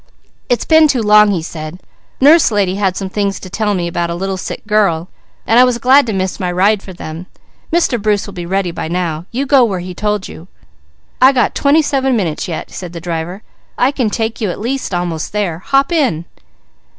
"I've been too long," he said. "Nurse Lady had some things to tell me about a little sick girl and I was glad to miss my ride for them. Mr. Bruce will be ready by now. You go where he told you." "I got twenty seven minutes yet," said the driver. "I can take you at least almost there. Hop in."